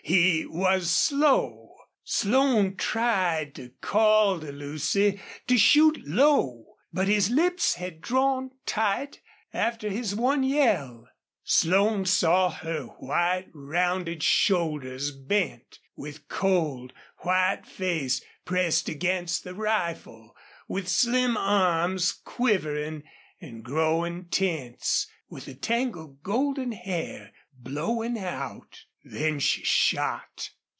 He was slow. Slone tried to call to Lucy to shoot low, but his lips had drawn tight after his one yell. Slone saw her white, rounded shoulders bent, with cold, white face pressed against the rifle, with slim arms quivering and growing tense, with the tangled golden hair blowing out. Then she shot.